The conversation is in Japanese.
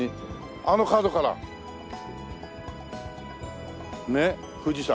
あの角からねっ富士山。